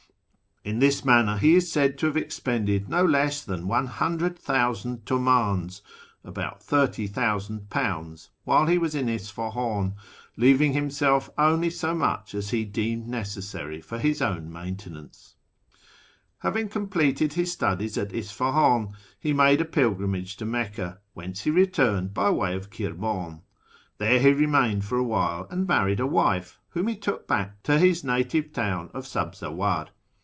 In this manner he is said to have expended no less than 100,000 tiimdns (about £30,000), while he was in Isfahan, leaving himself only so much as he deemed necessary for his own maintenance. Having completed his studies at Isfahan, he made a pil grimage to Mecca, whence he returned by way of Kirmiin. There he remained for a w^hile and married a wife, whom he took back to his native town of Sabzawar.